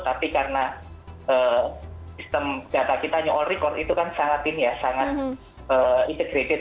tapi karena sistem data kita nyoll record itu kan sangat ini ya sangat integrated